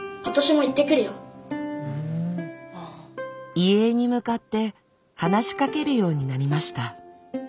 遺影に向かって話しかけるようになりました。